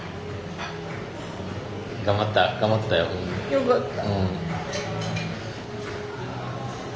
よかった。